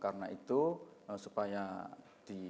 karena itu saya kemudian meminta waktu untuk berbicara